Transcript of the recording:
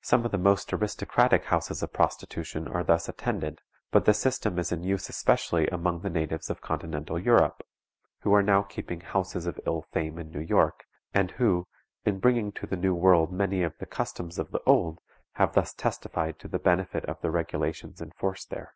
Some of the most aristocratic houses of prostitution are thus attended, but the system is in use more especially among those natives of Continental Europe who are now keeping houses of ill fame in New York, and who, in bringing to the New World many of the customs of the old, have thus testified to the benefit of the regulations enforced there.